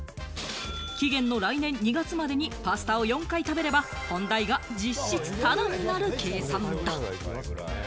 期限の来年２月までにパスタを４回食べれば、本代が実質タダになる計算だ。